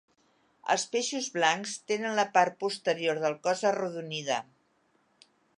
Els peixos blancs tenen la part posterior del cos arrodonida.